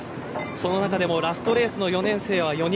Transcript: その中でもラストレースの４年生は４人。